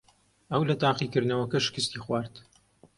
ئەو لە تاقیکردنەوەکە شکستی خوارد.